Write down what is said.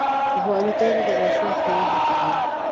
والدین د ماشوم ښوونکي دي.